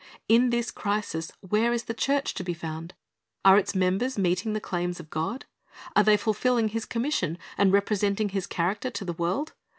In this crisis, where is the church to be found? Are its members meeting the claims of God? Are they fulfilling His commission, and representing His character to the world?